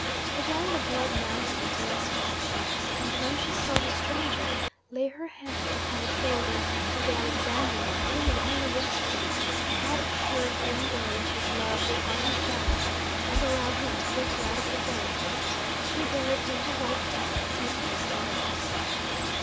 Again the blood mounted into Ledscha's cheeks, and when she saw the stranger lay her hand upon the shoulder of the Alexandrian who, only yesterday, had assured the young girl of his love with ardent vows, and allow him to lift her out of the boat, she buried her little white teeth deeply in her lips.